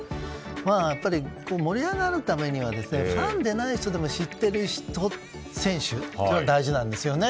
やっぱり盛り上がるためにはファンでない人でも知っている選手というのが大事なんですよね。